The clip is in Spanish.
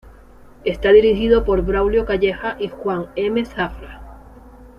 Está dirigido por Braulio Calleja y Juan M. Zafra.